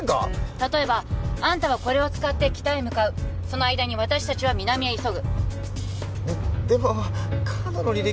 例えばあんたはこれを使って北へ向かうその間に私達は南へ急ぐでもカードの履歴